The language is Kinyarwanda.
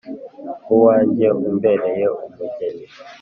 uwanjye umbereye umugeni!